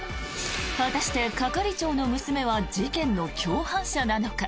果たして係長の娘は事件の共犯者なのか？